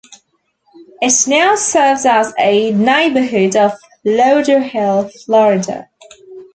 It now serves as a neighborhood of Lauderhill, Florida.